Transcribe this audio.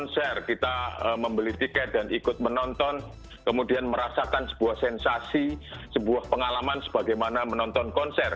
sebuah pengalaman sebagaimana menonton konser